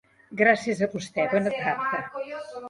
Gràcies a vosté, bona tarda.